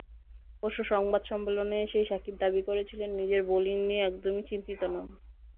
পরশু সংবাদ সম্মেলনে এসেই সাকিব দাবি করেছিলেন, নিজের বোলিং নিয়ে একদমই চিন্তিত নন।